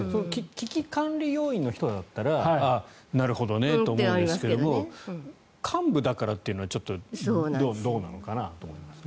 危機管理要員の人だったらなるほどねと思うんですけど幹部だからというのはちょっとどうなのかなと思いますね。